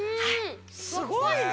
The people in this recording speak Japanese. すごいね。